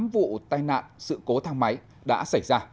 tám vụ tai nạn sự cố thang máy đã xảy ra